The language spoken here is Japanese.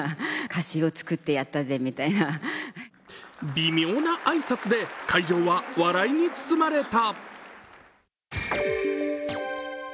微妙な挨拶で会場は笑いに包まれた。